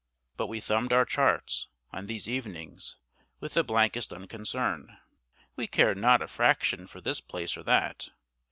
But we thumbed our charts, on these evenings, with the blankest unconcern. We cared not a fraction for this place or that.